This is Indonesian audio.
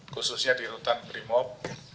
khususnya di hutan primob